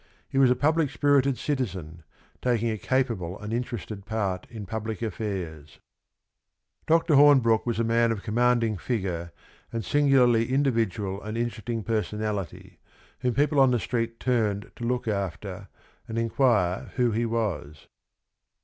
He was a public spirited citizen, taking a capable and interested part in public affairs. xii FOREWORD Dr. Hornbrooke was a man of commanding figure and singularly individual and interesting personality, whom people on the street turned to look after and inquire who he was.